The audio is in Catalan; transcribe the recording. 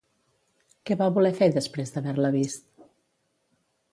Què va voler fer després d'haver-la vist?